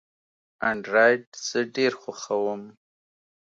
انډرایډ زه ډېر خوښوم.